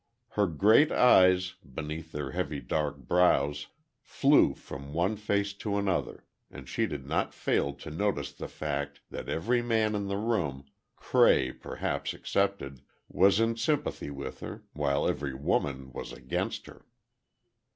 Her great eyes, beneath their heavy dark brows flew from one face to another, and she did not fail to notice the fact that every man in the room, Cray perhaps excepted, was in sympathy with her, while every woman was against her.